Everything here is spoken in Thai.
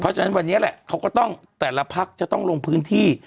เพราะฉะนั้นวันนี้แหละเขาก็ต้องแต่ละพักจะต้องลงพื้นที่